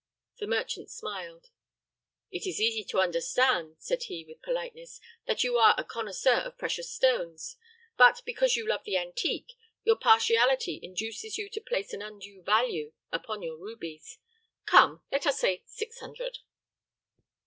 The merchant smiled. "It is easy to understand," said he, with politeness, "that you are a connoisseur of precious stones; but, because you love the antique, your partiality induces you to place an undue value upon your rubies. Come! let us say six hundred."